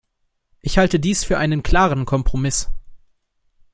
Ich halte dies für einen klaren Kompromiss.